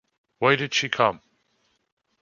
Why did she come?